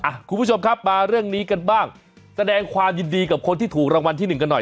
คุณผู้ชมครับมาเรื่องนี้กันบ้างแสดงความยินดีกับคนที่ถูกรางวัลที่หนึ่งกันหน่อย